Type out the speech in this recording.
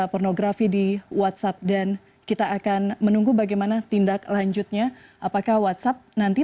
pornografi di whatsapp dan kita akan menunggu bagaimana tindak lanjutnya apakah whatsapp nanti